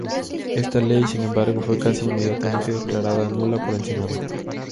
Esta ley, sin embargo, fue casi inmediatamente declarada nula por el Senado.